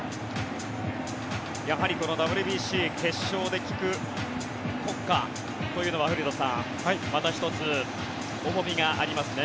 やはり、このＷＢＣ決勝で聴く国歌というのは古田さん、また１つ重みがありますね。